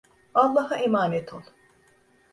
Allah'a emanet ol.